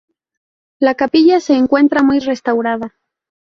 La capilla se encuentra muy restaurada.